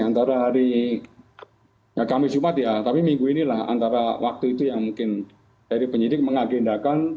antara hari kamis jumat ya tapi minggu inilah antara waktu itu yang mungkin dari penyidik mengagendakan